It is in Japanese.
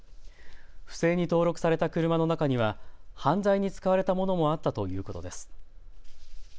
不正に登録された車の中には犯罪に使われたものもあったということです。